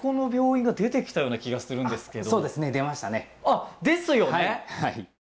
あっですよね。